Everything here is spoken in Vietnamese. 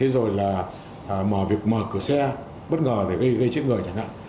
rồi mở cửa xe bất ngờ để gây chết người chẳng hạn